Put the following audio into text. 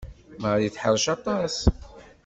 Marie teḥṛec aṭas.